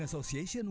di asosiasi dengan